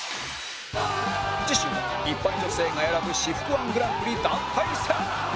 次週は一般女性が選ぶ私服 −１ＧＰ 団体戦